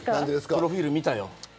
プロフィル見たよ。